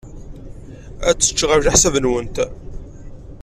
Ad tečč, ɣef leḥsab-nwent?